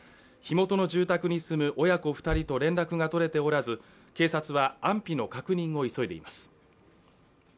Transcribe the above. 火元の住宅に住む親子二人と連絡が取れておらず警察は安否の確認を急いでいます